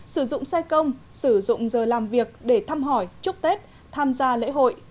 sử dụng xe công sử dụng giờ làm việc để thăm hỏi chúc tết tham gia lễ hội